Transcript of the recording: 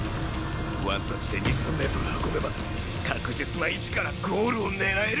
ワンタッチで２３メートル運べば確実な位置からゴールを狙える！